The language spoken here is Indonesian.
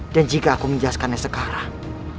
dan jika aku menjelaskannya sekarang